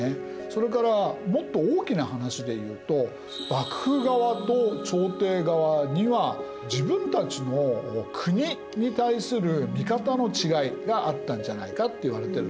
それからもっと大きな話でいうと幕府側と朝廷側には自分たちの国に対する見方の違いがあったんじゃないかといわれてるんですね。